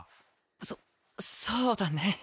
そそうだね。